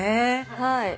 はい。